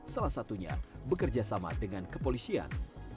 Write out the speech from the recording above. salah satunya bekerja sama dengan kepolisian